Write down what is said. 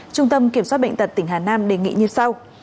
trung tâm kiểm soát bệnh tật tỉnh hà nam đề nghị như sau